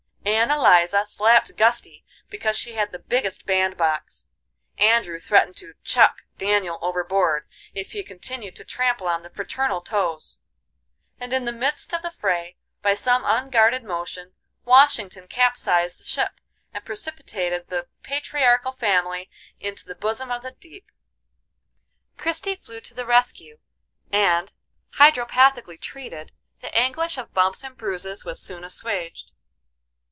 Ann Eliza slapped Gusty because she had the biggest bandbox; Andrew threatened to "chuck" Daniel overboard if he continued to trample on the fraternal toes, and in the midst of the fray, by some unguarded motion, Washington capsized the ship and precipitated the patriarchal family into the bosom of the deep. Christie flew to the rescue, and, hydropathically treated, the anguish of bumps and bruises was soon assuaged.